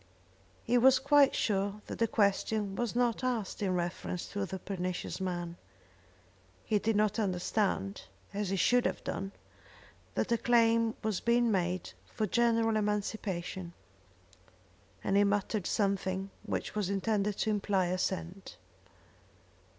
He was quite sure that the question was not asked in reference to the pernicious man. He did not understand, as he should have done, that a claim was being made for general emancipation, and he muttered something which was intended to imply assent.